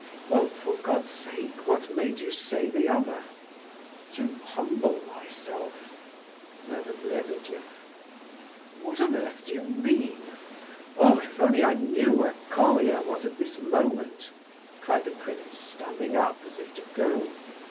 "Well, for God's sake, what made you say the other?" "To humble myself," murmured Lebedeff. "What on earth do you mean? Oh I if only I knew where Colia was at this moment!" cried the prince, standing up, as if to go.